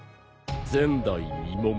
前代未聞。